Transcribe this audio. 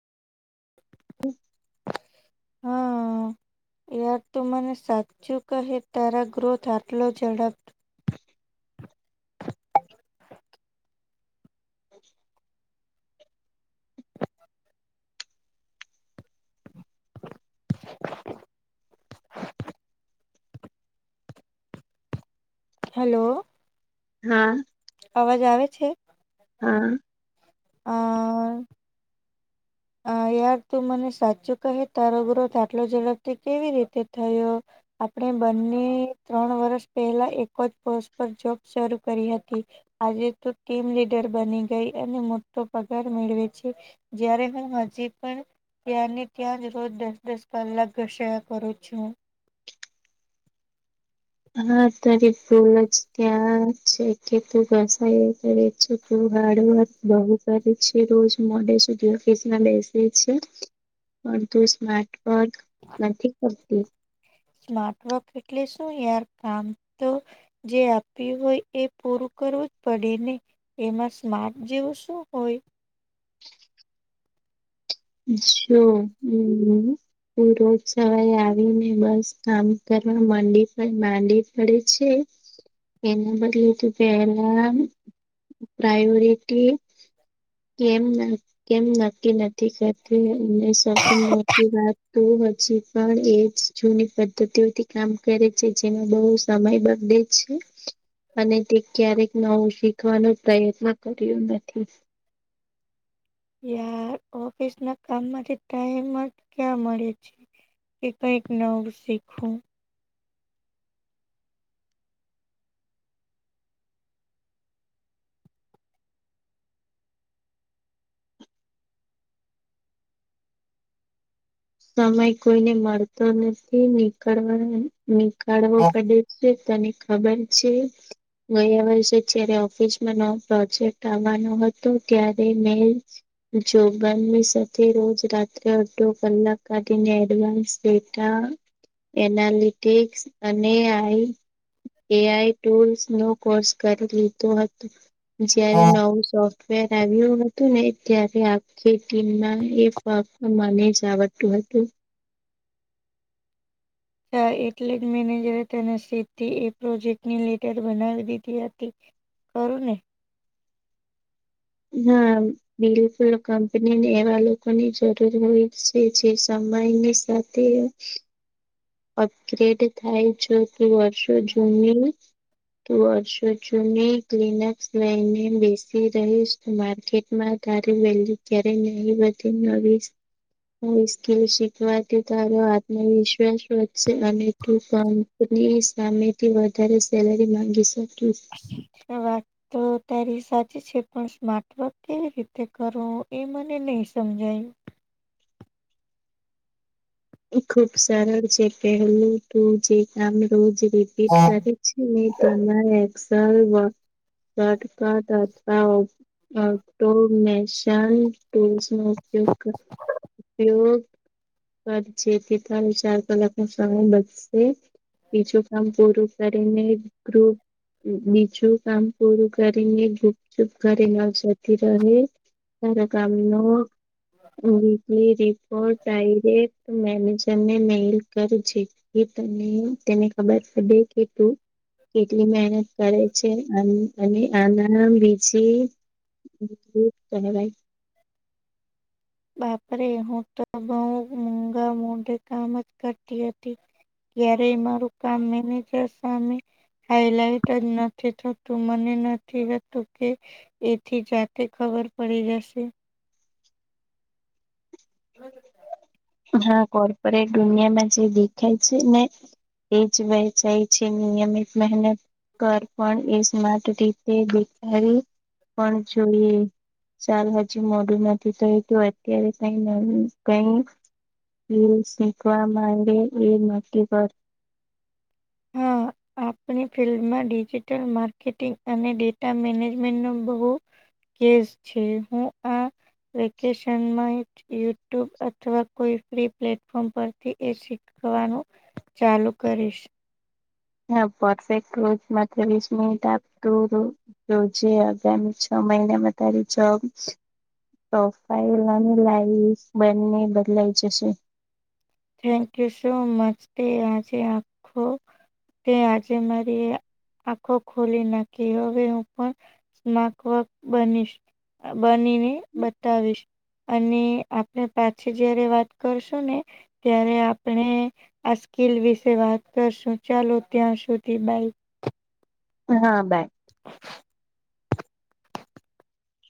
હમ હમ યાર તું મને સાચું કહે તારા ગ્રોથ આટલો ઝડપ [inaudible] [inaudible] [inaudible] હલો હા અવાજ આવે છે હમ અ અ યાર તું મને સાચું કહે તારો ગ્રોથ આટલો ઝડપથી કેવી રીતે થયો આપણે બંને ત્રણ વર્ષ પહેલા એક જ પોસ્ટ પર જોબ શરૂ કરી હતી આજે તો ટીમ લીડર બની ગઈ અને મોટો પગાર મેળવે છે જ્યારે હું હજી પણ ત્યાંને ત્યાં જ રોજ દસ દસ કલાક ઘસયા કરું છું હા તારી ભૂલ જ ક્યાં છે કે તું ઘસાઈ તો હાડવક બહુ કરે છે રોજ મોડે સુધી ઓફિસમાં બેસે છે પણ તું સ્માર્ટવર્ક નથી કરતી સ્માર્ટ વોક એટલે શું યાર કામ તો જે આપ્યું હોય એ પૂરું કરવું જ પડે ને એમાં સ્માર્ટ જેવું શું હોય અચ્છા હમ રોજ સવારે આવીને બસ કામ કરવા મડી પણ માંડી પડે છે એના બદલે કે પહેલા પ્રાયોરિટી કેમ કેમ નક્કી નથી કરતી એ સૌથી મોટી વાત તો હજી પણ એ જ જૂની પદ્ધતિઓથી કામ કરે છે જેમાં બહુ સમય બગડે છે [inaudible] અને તે ક્યારેક નવું શીખવાનો પ્રયત્ન કર્યો નથી યાર ઓફિસ ના કામ માંથી ટાઈમ જ ક્યાં મળે છે એક એક નવ સીખું સમય કોઈને મળતો નથી નીકળવાનો નીકાળવો પડે છે તને ખબર છે ગયા વર્ષે જયારે ઓફિસમાં નવો પ્રોજેક્ટ આવવાનો હતો ત્યારે મે જોગણની સાથે રોજ રાત્રે અડધો કલાક કને એડવાન્સ ડેટા એનાલિટિક્સ અને આઈ એ આઈ ટુલ્સ નો કોર્સ કરી લીધો હતો જ્યારે અચ્છા, નવું સો ર આવ્યું હતું ને ત્યારે આખી ટીમને ું [inaudible] ચા એટલે જ મેનેજરે તેને સીધી એ પ્રોજેક્ટની લીડર બનાવી દીધી હતી કરુંને હા બિલકુલ કંપનીને એવા લોકોની જરૂર હોય છે જે સમયની સાથે તે અપગ્રેડ થાય છે કે વર્ષો જૂની તું વર્ષો જૂની ક્લીનઅપસ લઈને બેસી રહીશ માર્કેટમાં તારે વેલ્યુ ક્યારે નહી બી નસ સ્કીલ શીખવાથી તારો આત્મવિશ્વાસ અને તું કંપની સામેથી વધારે સેલરી માંગી શકીશ હ વા તો તારી સાચી છે પણ સ્માર્ટ વર્ક કેવી રીતે કરવો એ મને નહી સમજાયું એ ખુબ સરળ છે પેલું તું જે કામ રોજ રિપીટ કરી ત એસલ અથવા ઓટોનેશન ટૂલ્સ નો ઉપયોગ ઉપયોગ કરજેતી ત વિચાર કરને સમય બસશે બીજું કામ પૂરું કરીને ગુપ બીજુ કામ પૂરું કરીને ગુપચુપ કરવા જતી રહે કામ ન વિકલી રિપોર્ટ ડાયરેક્ટ મેનેજરને મેલ કર જેથી તને તેને ખબર પડે કે તું કેટલી મહેનત કરે છે અને આનાી જ કહેવાાઈ બાપરે હું તો બહુમોઘા મોઢે કામ જ કરતી હતી ક્યારે મારું કામ મેનેજર સામે હાઈલાઈટ જ નથી થતું મને નથીતું કે એથી જાતે ખબર પડી જશે. હા કોર્પોરેટ દુનિયામાં જે દેખાય છે ને. એ જ વહેચાય છે નિયમિત મહેનત. કર પણ એ સ્માર્ટ રીતે દેખાવી પણ જોઈએ. સાર હજી મોડું નથી થયું તો એ તું એત્યારે કઈ નળ. કઈ રીલ શીખવા માંડે એ નક્કી કર. હા. આપણી ફિલ્મમાં ડિજિટલ માર્કેટિંગ અને ડેટા મેનેજમેન્ટ નુ બહુ. કેસ છે હું આ વેકેશનમાં. યુટ્યુબ અથવા કોઈ ફ્રી પ્લેટફોર્મ પરથી એ શીખવાનું. ચાલુ કરીશ. હા પર્ફેક્ટ રો માત્ર વીસ મિટ આપ તું રુ. તો જે આગામી છ મહિનામાં તારી જોબ. પ્રોફાઈલ અને લાઈફ બંને બદલાઈ જશે. થેન્ક યુ સો મચ તે આજે આખો. તે આજે મારી આખો ખોલી નાખી હવે હું પણ. માકવક બનીશ બનીને બતાવીશ. અને આપણે પાછી જયારે વાત કરશું ને. ત્યારે આપણે આ સ્કીલ વિશે વાત કરશું ચાલો ત્યાં સુધી બાઈ. હા બાય. [inaudible]